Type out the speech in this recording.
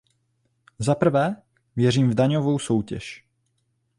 Zaprvé, věřím v daňovou soutěž.